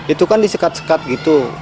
itu kan disekat sekat gitu